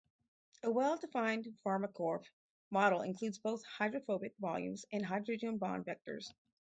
A well-defined pharmacophore model includes both hydrophobic volumes and hydrogen bond vectors.